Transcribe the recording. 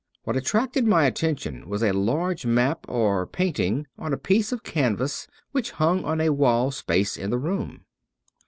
What attracted my attention was a large map or painting on a piece of canvas which hung on a wall space in the room.